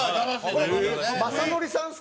これ雅紀さんですか？